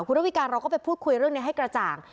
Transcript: ระวิการเราก็ไปพูดคุยเรื่องนี้ให้กระจ่าง